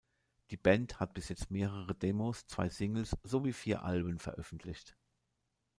Die Band hat bis jetzt mehrere Demos, zwei Singles sowie vier Alben veröffentlicht.